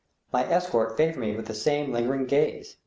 My escort favor me with the, same lingering gaze.